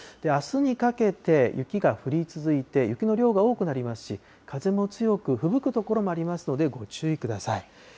あすにかけて雪が降り続いて、雪の量が多くなりますし、風も強く、ふぶく所もありますのでご注意ください。